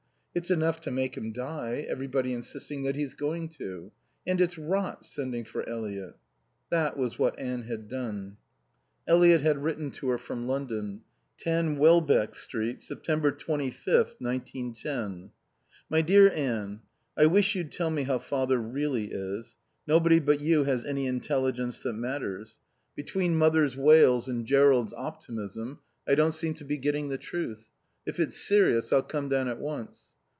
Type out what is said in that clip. It's enough to make him die, everybody insisting that he's going to. And it's rot sending for Eliot." That was what Anne had done. Eliot had written to her from London: 10 Welbeck St., Sept. 35th, 1910. My dear Anne: I wish you'd tell me how Father really is. Nobody but you has any intelligence that matters. Between Mother's wails and Jerrold's optimism I don't seem to be getting the truth. If it's serious I'll come down at once.